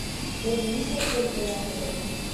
Һеҙ нисә тел беләһегеҙ?